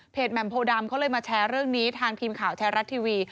แหม่มโพดำเขาเลยมาแชร์เรื่องนี้ทางทีมข่าวไทยรัฐทีวี